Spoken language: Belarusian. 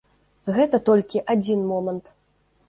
Гэта толькі адзін момант.